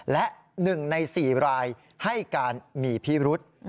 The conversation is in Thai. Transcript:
และ๑ใน๔รายให้การมีพิรุษ